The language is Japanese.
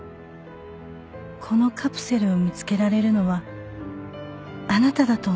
「このカプセルを見つけられるのはあなただと思う」